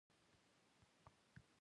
د چین وریښم له دې لارې تلل